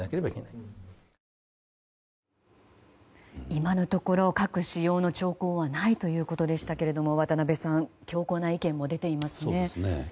今のところ、核使用の兆候はないということでしたが渡辺さん強硬な意見も出ていますね。